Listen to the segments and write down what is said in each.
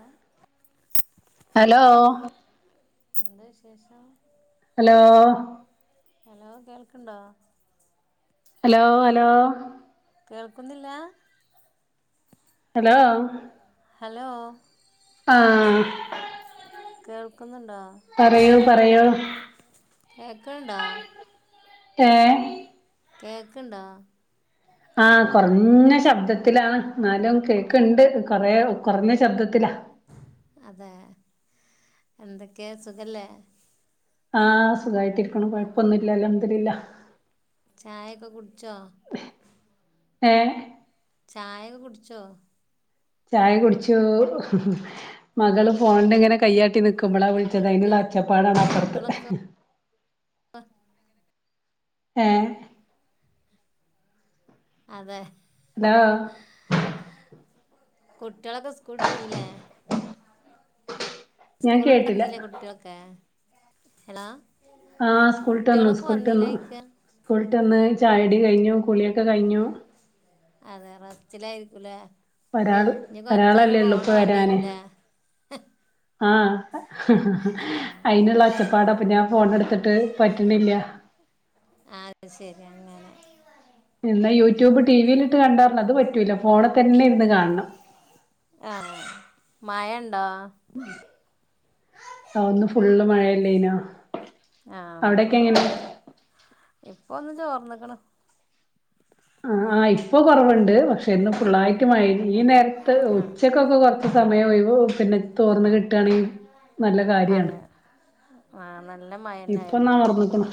ഓ hello എന്താ വിശേഷം? Hello hello കേൾക്കുണ്ടോ? ഹലോ ഹലോ കേൾക്കുന്നില്ലാ ഹലോ ഹലോ ആഹ് കേൾക്കുന്നു പറയൂ പറയൂ കേക്കണണ്ടോ. ഏഹ് കേക്ക് ഉണ്ടോ. ആഹ് കൊറഞ്ഞ ശബ്ദത്തിലാണ്, എന്നാലും കേക്കുണ്ട് കൊറേ കൊറഞ്ഞ ശബ്ദത്തിലാ. അതെ എന്തൊക്കെയാ സുഖല്ലേ. ആഹ് സുഖയായിട്ടിരിക്കുന്നു കൊഴപ്പൊന്നുമില്ല അല്ഹം ദുലില്ല. ചായയൊക്കെ കുടി ച്ചോ. ഏഹ് ചായയോക്കൊ കുടിച്ചോ. ചായ കുടിച്ചു മകള് പോകാണ്ടിങ്ങനെ കയ്യാട്ടി നിക്കു ക്കുമ്പളാ വിളിച്ചത് അതിനുള്ള ഒച്ചപ്പാടാണ് അപ്പുറത്ത്. കുട്ടികളൊക്കെ ഏഹ് അതെ ഹലോ കുട്ടികളൊക്കെ സ്കൂൾ വിട്ട് വന്നില്ലേ. ഞാൻ സ്കൂള് വിട്ട് കേട്ടില്ല വന്നില്ലേ കുട്ടികളൊക്കെ. ഹലോ ആഹ് സ്കൂൾ വിട്ടുവന്നു കുട്ടികളൊക്കെ സ്കൂൾ വന്നീല്ലേ വിട്ടുവന്നു ചോയിക്കാ സ്കൂൾ വിട്ടുവന്ന്. ചായകുടി കഴിഞ്ഞു കുളിയൊക്കെ കഴിഞ്ഞു. അതെ റസ്റ്റിലായിരിക്കുലേ ഒരാള് ഒരാളല്ലേ ഉള്ളൂ ഇപ്പ വാണ്ടി വരാന് വരൂല്ലേ ആ ആഹ് അയിന് അയിനുള്ള ക ഓച്ചപ്പാടപ്പ ഞാൻ ഫോൺ എടുത്തിട്ട് പറ്റണില്ല അത് ശരി അങ്ങനെ ഇന്ന യൂട്യൂബ് ടിവിയിലിട്ട് കണ്ടാർന്നു അത് പറ്റൂല ഫോണിൽ തന്നെ ഇരുന്നുകാണണം ആ ആ മഴ ഓ ഇന്ന് ഫുള്ള് മഴ അല്ലെനോ ആഹ് ഫുള്ളും മഴന്നെ ഇ പ്പൊന്ന് ചോർന്ന്ക്ക്‌ണ് ആ ആ ഇപ്പോ കൊറവുണ്ട് പക്ഷെ ഇന്ന് ഫുള്ളായിട്ടു മഴേനു ഈ നേരത്ത് ആഹ് ഉച്ചക്കൊക്കെ കൊറച്ച് സമയം ഒഴിവാ ഓ പിന്നെ തോർന്ന് കി ആ ആ നല്ല മഴന്നായിരുന്നു ഇപ്പൊന്ന് ഇന്ന് അമർന്ന്ക്ക്ണു ഫുള്ള്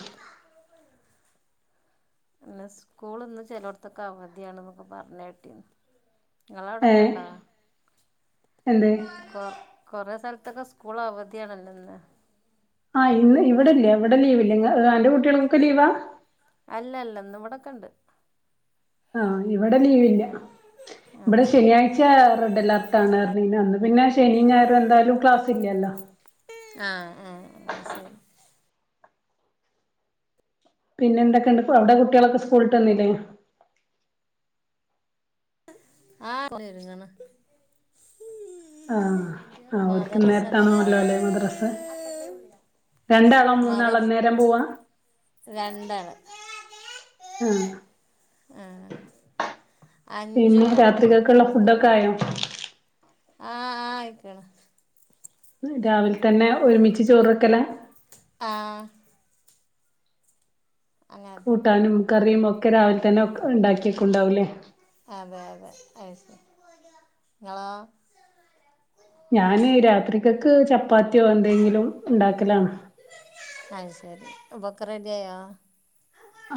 ഇന്ന് സ്കൂൾ ഇന്ന് ചെലടത്തൊക്കെ അവധിയാണെന്നൊക്കെ പറഞ്ഞുകേട്ടിന് ഏ ങ്ങളവിടെക്കെണ്ടോ എന്തെ കൊ കൊറേ സ്ഥലത്തൊക്കെ സ്കൂൾ അവധിയാണല്ലോ ഇന്ന് ആ ഇന്ന് ഇവിടെ ഇല്ലേ ഇവിടെ ലീവില്ല അന്റെ കുട്ടികൾക്ക് ഒക്കെ ലീവാ അല്ല അല്ല ഇന്ന് ഇവിടൊക്കെയുണ്ട് ആ ഇവിടെ ലീവില്ല ഇവിടെ അതെ ശനിയാഴ്ച റെഡ് അലേർട്ടാണ് അന്ന് പിന്നെ ശനിയും ഞായറും എന്തായാലും ക്ലാസ് ഇല്ലല്ലോ ആ ആ ശരി പിന്നെ എന്തൊക്കെയുണ്ട് അവിടെ കുട്ടിയോള് ഓക്കേ സ്കൂളിട്ട് വന്നില്ലേ ആഹ് [inaudible] ഒരുങ്ങാണു ആ ആഹ് ഒരിക്ക് മദ്രസണ്ട് അവടെ ഇന്നേരത്താണോല്ലേ മദ്രാസ രണ്ടാളോ മദർ മൂന്നാളാ ഇന്നേരം പോവാ രണ്ടാള് ആഹ് ആ അഞ്ചും പിന്നെ എട്ടും രാത്രികൾക്കുള്ള ഒരിക്ക് ഫുഡൊക്കെ ഇപ്പം ആയോ ആ ആയി ക്കണ് രാവിൽ തന്നെ ഒരുമിച്ച് ചോറ് വെക്കലാ ആഹ് തന്നെ കൂട്ടാനും കറിയും ഓ ക്കെ രാവിലെ തന്നെ ഒക്കെ ഉണ്ടാക്കി വെക്കുന്നു ഉണ്ടാവുമല്ലേ? അതെ അതെ അയ് ശരി ഇങ്ങളോ ഞാന് രാത്രിക്കക്ക് ച പ്പാത്തിയോ എന്തെങ്കിലും ഇണ്ടാക്കലാണ് ബൊക്കെ റെഡിയായോ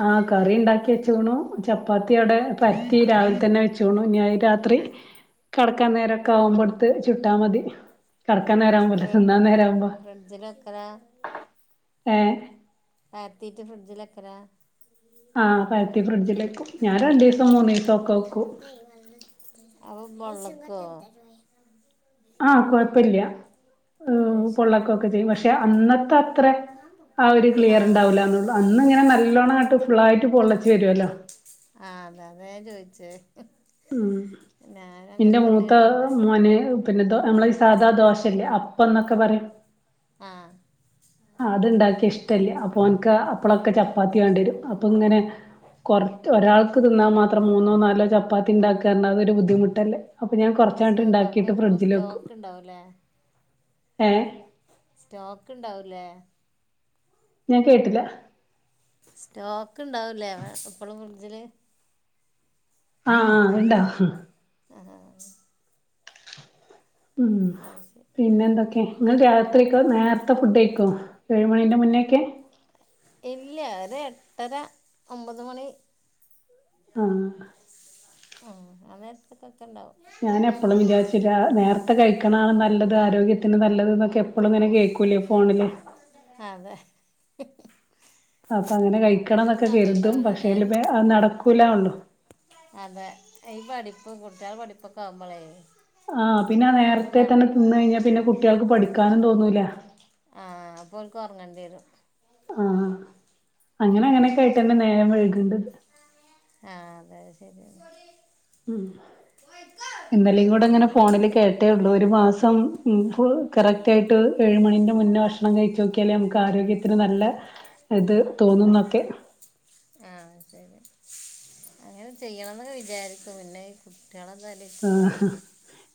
ആ കറി ഇൻണ്ടാക്കി വെച്ച്ണൂ ചപ്പാത്തി ആടെ പര്ത്തി രാവിൽ തന്നെ വെച്ച്ണു അത് രാത്രി കെടക്കാന്നേ രക്കാവുമ്പട്ത്ത് ചുട്ടാ മതി കടക്കാന്നേരവുമ്പോല്ല ഫ്രി തിന്നാ നേര ആവുമ്പോ ഫ്രിഡ്ജിൽ വെക്കലാ ഏ പരത്തീട്ട് ഫ്രിഡ്ജ് ലെക്കലാ ആഹ് പരത്തി ഫ്രിഡ്ജിലെക്കും ഞാ രണ്ടീസം മൂന്നീസൊക്കെ വെക്കും അപ്പൊ ബൊളളക്കോ ആഹ് കൊയപ്പല്യ അത് ശരി പൊള്ളക്കൊക്കെ ചെയ്യും പക്ഷേ അന്നത്തത്രെ ആ ഒരു ക്ലിയർ ഇണ്ടാവൂലാന്നൊള്ളൂ അന്ന് ആ നല്ലോണം ഇങ്ങട്ട് ഫുള്ളായിട്ട് പൊള്ളച്ച് വരൊല്ലോ ആഹ് അതെ അതാ ഞാൻ ചോയ്ച്ച അ് ഉം ഇന്റെ മൂത്ത തന്നെയാണ് ഉണ്ടാക്ക മോന് പിന്നെ ദൊ നമ്മളെ ഈ സാദാ ദോശല്ലേ അപ് അപ്പന്നൊക്കെ പറയും ആഹ് അത് ഇണ്ടാക്കിയ ഇഷ്ടല്യ അപ്പ ഓൻക്ക് അപ്പളൊക്കെ ചപ്പാത്തി വേണ്ട്യരും അപ്പങ്ങനെ കൊർ ഒരാൾക് തിന്നാൻമാത്രം മൂന്നോ നാലോ ചപ്പാത്തി ഇണ്ടാക്കാ ർണ അതൊരു ബുദ്ധിമുട്ടല്ലേ അപ്പൊ ഞാൻ കൊറച്ചാട്ട് പക്ഷേ പപ്പ ഇണ്ടാക്കിട്ട് എപ്പോഴും ഫ്രിഡ്ജില് വെക്കും സ്റ്റോക്ക് ഉണ്ടാവില്ലേ ഏ സ്റ്റോക്ക് ഇണ്ടാവൂലേ ഞാൻ കേട്ടില സ്റ്റോ ക്ക് ഇണ്ടാവും ലേന്ന് എപ്പളും ജില് ആഹ് അഅ്ണ്ടാവും ആഹ് ഉം ശരി പിന്നെ എന്തൊക്കെ ഇങ്ങൾ രാത്രിക്ക് നേർത്തെ ഫുഡയ്ക്കോ ഏഴ് മണിന്റെ മുന്നെക്കെ? ഇല്ല്യ ഒരു എട്ടര ഒമ്പത് മണി ആഹ് ഉം ആ നേരത്ത് ക്കൊക്കെ ഇണ്ടാവും ഞാൻ എപ്പളും വിചാര്ച്ചും രാ നേർത്തെ കഴിക്കണാണ് നല്ലത് ആരോഗ്യത്തിന് നല്ലത് ന്നൊക്കെ എ പ്പളുങ്ങനെ കേക്കൂലേ ഫോണില് അതെ അപ്പ അങ്ങനെ അപ്പോൾ ഒന്നിനും കഴിക്കണംന്നൊക്കെ സമയം കരുതും ഉണ്ടാവില്ല അല്ലേ പക്ഷേല് ബെ അത് നടക്കൂല ഉള്ളു ഇപ്പൊ കുട്ട്യോളെ പഠിപ്പൊക്കെ ആവുമ്പളേ ആഹ് പിന്നെ ആ നേരത്തെ തന്നെ തിന്ന് കഴിഞ്ഞാ പിന്നെ കുട്ടിയേൾക്ക് പഠി ക്കാനും തോന്നൂല ആഹ് അപ്പം ഓൽക്ക് ഒറങ്ങണ്ട്യരും ആഹ് അങ്ങനെ അങ്ങനെയൊക്കെ ആയിട്ട് തന്നെ നേരം വെളു വേണ്ടത് ആഹ് അതെ അത് ശരിയാ ഉം ഇന്നലേം കൂടെ ഇങ്ങനെ അങ്ങനെ ഫോണിൽ കേട്ടേ ഉള്ളൂ ഒരു മാസം ഉ പ്പോ കറക്റ്റയിട്ട് ഏഴുമണിന്റെ മുന്നേ ഭക്ഷണം കഴിച്ചോക്കിയാലേ നമു ആരോഗ്യത്തിന് നല്ല ഇത് തോന്നുന്നൊക്കെ ആ ശെരി, അങ്ങനെ ചെയ്യണം എന്നൊക്കെ വിചാരിക്കും പിന്നെ കു ആഹ്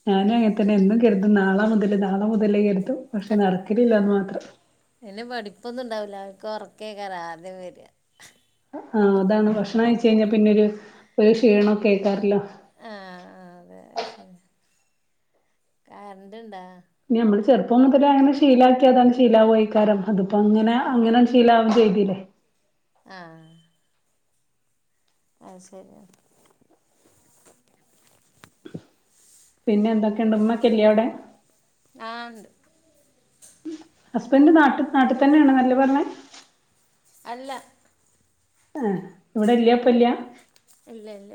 ഞാനും അങ്ങനെ തന്നെ എന്നും കരുതും നാളെ മുതല് നാളെ മുതലേ പക്ഷെ നടക്കലില്ലാന്ന് മാത്രം കൊറക്കേക്കാരം ആദ്യം വരാ ആ അതാണ് ഭക്ഷണം കഴച്ച് കഴിഞ്ഞാ പിന്നെ ഒരു ഒരു ക്ഷീണൊക്കെ ഐക്കാരല്ല ആ [unintelligible] കറണ്ട് ഇണ്ടാ? ഞമ്മള് ചെറുപ്പം മുതലേ അങ്ങനെ ശീലാക്കിയതാങ്ങ് ശീലാവയിക്കാരം അതിപ്പോ അങ്ങനെ അതെ അങ്ങനെ ശീലാവും ചെയ്തി [unintelligible] ആ അത് ശെരിയാ പിന്നെ എന്തൊക്കെണ്ട് ഉമ്മക്കെല്യേ അവടെ ആ ഉണ്ട് ഹസ്ബൻഡ് നാട്ട് നാട്ടി തന്നെയാണ് അല്ലെ പറഞ്ഞേ അല്ല ആഹ് ഇവിടെല്യ ഇപ്പൊല്യ ഇവിടെ ഇല്ല ഇല്ല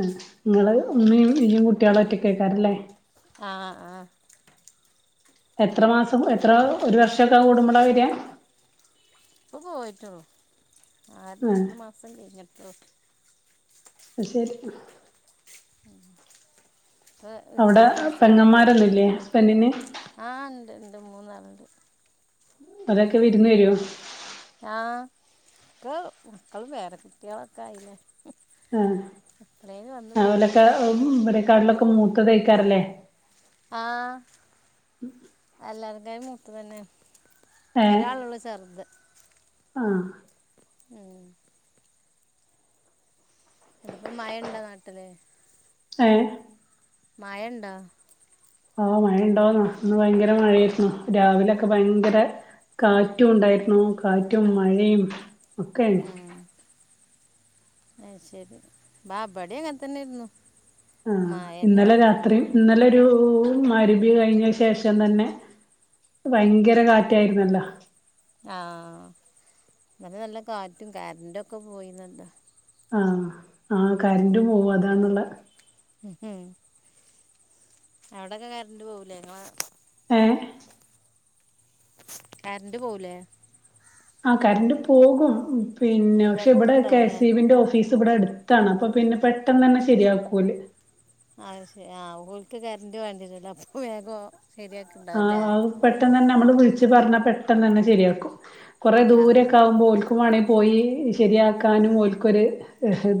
ആഹ് നിങ്ങള് ഉമ്മയും ഈയും കുട്ടികളെ ഒറ്റ കേക്കാറില്ലേ ആഹ് ആഹ് എത്ര മാസം എത്ര ഒരു വർഷം. എത്ര കൂടുമ്പോള് വരുക. ഇപ്പൊ പോയിട്ടേ ഉള്ളൂ. ആഹ് മൂന്ന് മാസം കഴിഞ്ഞിട്ടോ. അശെരി അവിടെ [unintelligible] പോയിട്ടെ പെങ്ങന്മാരൊന്നുല്ലേ ഹസ്ബൻഡിന് ആഹ് ഇണ്ട്. മൂന്നാള് ഉണ്ട്. അതൊക്കെ വിരുന്നു വരുവോ. ആഹ് ക്ക് മക്കളും പേരകുട്ടികളൊക്കെ ആയില്ലേ. ഉം എപ്പോഴേലും വന്നു പോകും അവരെക്കെ ഇവിടെ. കടലൊക്കെ മൂത്തതേയ്ക്കാറല്ലേ. ആഹ് എല്ലാർ മൂത്തതന്നെ ഏഹ് ഒരാളുള്ളു ചെറുത് ആഹ് ഉ ഇപ്പൊ മഴേണ്ടോ നാട്ടില് ഏ മഴയുണ്ടോ ആഹ് മഴയുണ്ടോന്നൊ ഇന്ന് ഭയങ്കര മഴയാരുന്നു രാവിലൊക്കെ ഭയങ്കര കാറ്റും ഉണ്ടായിരുന്നു കാറ്റും മഴേം ഒക്കെരുന്നു അതുശരി ഇവിടെയും അങ്ങനെതന്നിരുന്നു ആഹ് ഇന്നലെ രാത്രീം ഇന്നലൊരു മരുപി കഴിഞ്ഞ ശേഷം തന്നെ ഭയങ്കര കാറ്റായിരുന്നല്ല ആഹ് ഇന്നലെ നല്ല കാറ്റും കരന്റൊക്കെ പോയിന്നല്ല ആഹ് ആ കരന്റ് പോവും അതാണുള്ള ഹ് ഹ് അവിടൊക്കെ കറന്റ്പോവുല്ലെ ഇങ്ങള- എ കരണ്ട് പോവൂലേ ആ കറണ്ട്റ് പോകും പിന്നെ ക്ഷെ ഇൻവെർട്ടർ ഇവിടെ കെ ഉണ്ടാവില്ലേ എസ് ഇ ബിന്റെ ഓഫീസ്- ഇവിടെ അടുത്താണ് അപ്പൊ പിന്നെ പെട്ടെന്നന്നെ ശെരിയാക്കൂല് അതശരി ആ ഓൽക്ക് കറണ്ട് വേണ്ടിണല്ല അപ്പൊ വേഗൊ- ആഹ് പെട്ടന്ന് തന്നെ നമ്മള് വിളിച്ച്പറഞ്ഞ പെട്ടെനന്നെ ശെരിയാക്കും കുറെ ആ ദൂരെക്കാവുമ്പോൾക്ക്- പോവാണേ പോയി ശരിയാക്കാനും ഓൽക്കൊരു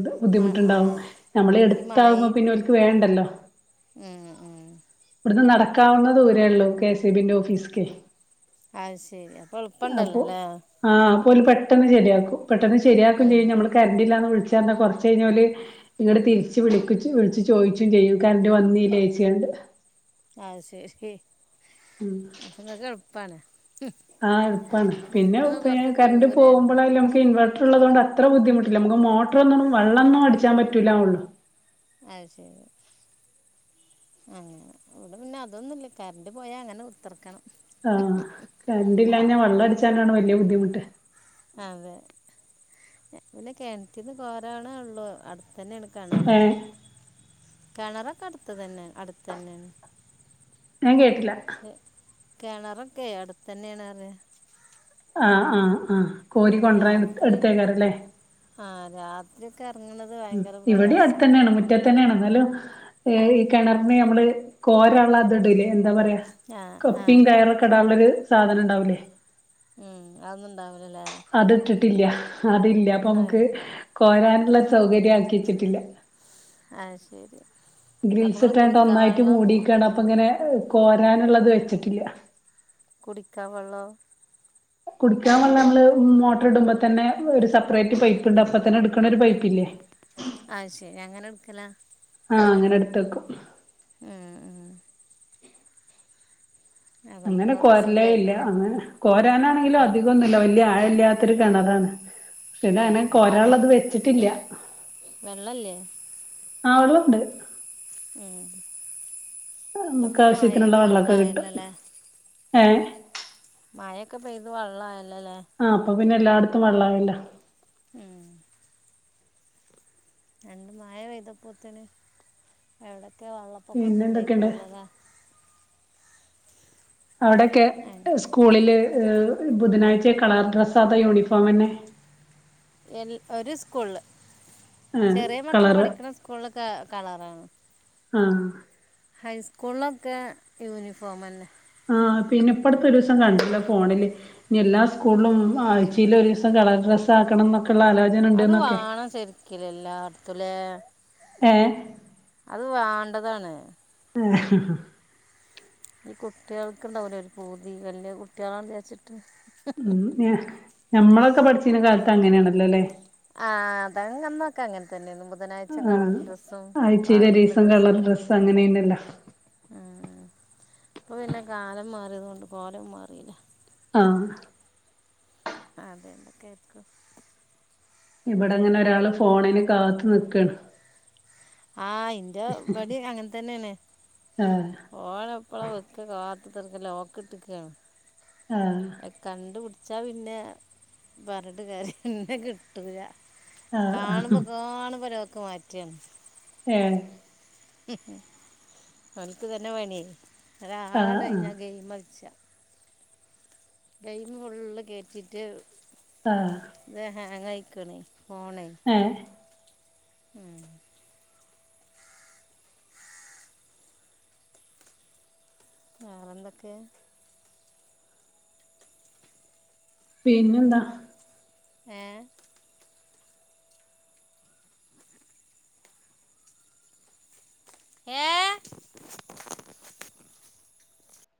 ദ് മ ആ ബുദ്ധിമുട്ടുണ്ടാവും ഞമ്മളിടുത്താവുമ്പോ പിന്നെ ഓൽക്ക് വേണ്ടല്ലോ [inaudible] ഉം ഉം ഇവ്ട്ന്ന് നടക്കാവുന്ന ദൂരേള്ളൂ കെസിബിന്റെ ഓഫീസ്ക്കെ അത് ശെരി, അപ്പൊ എളുപ്പണ്ടല്ലോല്ലേ ഇപ്പൊ അവര് ശെരിയാക്കും പെട്ടെന്ന് ശരിയാക്കും ചെയ്യും നമ്മൾ കരണ്ടില്ലാന്ന് വിളിച്ചറഞ്ഞാൽ കൊറച്ച് കഴിഞ്ഞല് ഇങ്ങട് തിരിച്ച് വിളിച്ച് ചോദിച്ചും ചെയ്യും കണ്ട് വന്നില്ലേ ചേച്ചി എന്ന് ആഹ് ശരി അപ്പൊ നിങ്ങൊക്ക് എളുപ്പ ആ ഇപ്പം പിന്നെ കുറച്ച് കറന്റ് ദൂരെയാണ് പോകുമ്പോഴ നമുക്ക് ഇൻവർട്ടർ ഉള്ളത്കൊണ്ട് അത്ര ബുദ്ധിമുട്ടില്ല നമുക്ക് മോട്ടറൊന്നും വെള്ളൊന്നും അടിച്ചാൻ പറ്റില്ലള്ളൂ അതുശരി അങ്ങനെ ഇവിടെ പിന്നെ അതൊന്നുല്ല കറണ്ട് പോയാൽ അങ്ങനെ ഇത്രയ്ക്കും. ആഹ് കറണ്ട് ഇല്ലാഞ്ഞേ വെള്ളം അടിച്ചാലാണ് വല്യ. ബുദ്ധിമുട്ട്. അതെ പിന്നെ കിണറ്റിന്ന് കോരാണേ ഉള്ളു അടുത്ത തന്നെയാണ് ഏഹ് കാണാറൊക്കെ കിണറൊക്കെ അടുത്തതന്നെ അടുത്ത തന്നെയാണ് ഞാൻ കേട്ടില്ല കേണറൊക്കെ അടുത്തതന്നെ ണറേ ആഹ ആഹ ആഹ കോരി കൊണ്ടൻ രാത്രി എടുത്തേക്കാരല്ലേ ആ [unintelligible] ഉം ഭയങ്കര ഇവിടെ അടുത് പ്രയാസമാണ് തന്നെയാണ് മുറ്റത്ത് തന്നെയാണത് [unintelligible] ഈ കിണറിന് നമ്മളെ കോരാള്ള എന്താ പറയാ ആ ആ കപ്പിയും കപ്പ കയറൊക്കെ ഇടാനുള്ളൊരു സാധനം ഉണ്ടാവൂലേ ഉ ഉം അതൊന്നും ഉണ്ടാവിലല്ലേ ഇല്ല അതില്ല അപ്പ നമുക്ക് [unintelligible] കോരാനുള്ള സൗകര്യം ആക്കി വച്ചിട്ടില്ല ആഹ ശരി അപ്പം ഗ്രിൽസ് നിങ്ങൾ കുടിക്കാൻ ഇട്ടാണ്ടൊന്നായിട്ട് വെള്ളം മൂടിക്കാണ് അപ്പ ങ്ങനെ ഹ് കോരാനുള്ളത് വെച്ചിട്ടില്ല കുടിക്ക വെള്ളം കുടിക്കാൻ വള്ള മ്മള് മോട്ടർ ഇടുമ്പോ തന്നെ ഒരു സെപ്പറേറ്റ് പൈപ്പ്ണ്ട്. അപ്പൊ തന്നെ എടുക്കണ ഒരു പൈപ്പ്ല്ലേ ആഹ് ശരി അങ്ങനെട്ക്കലാ ആഹ് അങ്ങനെടുത്തെക്കും ഉം ഉം അതുകൊണ്ട് അങ്ങനെ നിങ്ങൾക്ക് കോരലേ സുഖമായി ഇല്ല അങ്ങനെ കോരാനാണെങ്കിലും ആ അധികൊന്നുല്ല വല്യ ആഴ ല്ല്യാത്തൊരു കെണറാണ്. പിന്നെ ഏ, അങ്ങനെ വെള്ളം കൊരാനുള്ളത് വെച്ചിട്ടില്ല്യാ. വെള്ളമില്ലേ ആ വള്ളോണ്ട് ഉം പ്പ ഇപ്പം നമുക്ക് പിന്നെ മഴ ആവശ്യത്തിനുള്ള പെയ്ത് വെള്ളക്കെ കിട്ടു വെള്ളമായല്ലോ അല്ലേ ഏ മഴയെക്കെ പെയ്ത് വള്ളായൽ ലല്ലേ ആ അപ്പൊ പിന്നെ എല്ലാട്ത്തും വെള്ളാവില്ല ഉം രണ്ട് മയ പെയ്തപ്പോത്തിനും എവ്ടെ ക്കെ പിന്നെ വെള്ളപ്പൊക്കൊക്കെ എന്തൊക്കെയുണ്ട് ണ്ടായിക്ണല്ലതാ അവിടൊക്കെ എ സ്കൂളില് എ് ബുധനാഴ്ച കളർ ഡ്രസ്സാത്ത യൂണിഫോമെന്നെ എൽ ഒര് സ്കൂൾള് ആ ചെറിയ മക്കൾ കളറ് പഠിക്ക്ണ സ്കൂളിലൊക്കെ കളറാണ് ആഹ് ഹൈസ്കൂളിലൊക്കെ യൂണിഫോമല്ലേ ആ പിന്നെ പ്പട്ത്ത് ഒരീസം കാണ്ട്ലേ ഫോണില് ഇനി എല്ലാ സ്കൂളിലും ആഴ് ചയിൽ ഒരീസം കളർ ഡ്രസ്സ് ആക്കണം ന്നൊക്കെ അത് വേണം ശരിക്കില് എല്ലാട് ത്തുല്ലേ ഏ അത് വേണ്ടതണ് ഈ കുട്ടികൾക്കുണ്ടാവില്ലേ ഒരു പൂതി വല്ല്യ കുട്ടികളാണന്ന് വിചാരിച്ച് ഉം ഞാ ഞമ്മളൊക്കെ പഠിച്ചീനെ കാലത്ത് അങ്ങനെയാണല്ലോല്ലേ ആ അതായത് നമ്മക്കങ്ങനെ തന്നേന്നു ആ ആഴ്ച്ചയിലൊരീസം കളർ ദിവസം ഡ്രസ് അങ്ങിനേന്യല്ലോ ഇപ്പൊ പിന്നെ കാലം മാറിയത് കൊണ്ട് കോലം മാറില്ലേ ആഹ് അതെ [unintelligible] ഇവിടെ അങ്ങനെ ഒരാള് ഫോണിന് കാത്തു നിക്കേണ്. ആ ഇന്റെ ഇപടെയും അങ്ങനെ തന്നെയാണ് ആഹ് ഓള് എപ്പളാ വെക്കാ കാ ഇപ്പൊ തൽക്കാല ലോക്ക് ഇട്ടിക്കാണ് ആഹ് അഹ് കണ്ടുപിട ച്ചാ പിന്നെ പറത്തിട്ട് കാര്യാ പിന്നെ കിട്ടൂല ആഹ് ആഹ് കാണുമ്പ കാണുമ്പ [unintelligible] ക്ക് മാറ്റാണ് ഏഹ് അവന്ക്ക് ഇതന്നെ പണിയേ ഒരാളാണ് ആഹ് ആഹ് ഞാൻ ഗെയിമ് കളിച്ചാ ഗെയിമ് ഫുള്ള് കേട്ടിട്ട് ആഹ് ത് ഹേങ്ങായി ക്കണേ ഫോണെ ഏഹ് ഉം വേറെന്തൊക്കെ പിന്നെന്താ ഏഹ് ഏഹ്